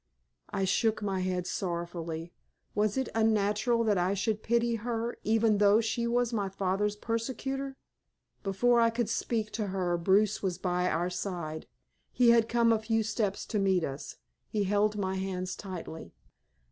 I shook my head sorrowfully. Was it unnatural that I should pity her, even though she was my father's persecutor? Before I could speak to her Bruce was by our side. He had come a few steps to meet us. He held my hands tightly.